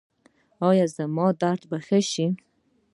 ایا زما درد به ښه شي؟